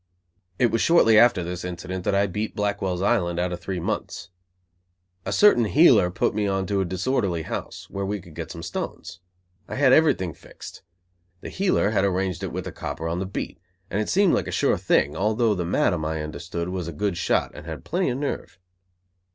It was shortly after this incident that I beat Blackwell's Island out of three months. A certain "heeler" put me on to a disorderly house where we could get some stones. I had everything "fixed." The "heeler" had arranged it with the copper on the beat, and it seemed like a sure thing; although the Madam, I understood, was a good shot and had plenty of nerve.